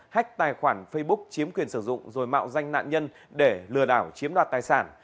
hách tài khoản facebook chiếm quyền sử dụng rồi mạo danh nạn nhân để lừa đảo chiếm đoạt tài sản